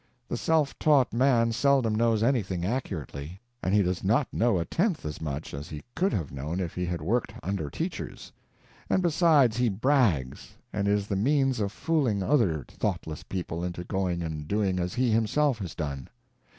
The self taught man seldom knows anything accurately, and he does not know a tenth as much as he could have known if he had worked under teachers; and, besides, he brags, and is the means of fooling other thoughtless people into going and doing as he himself has done.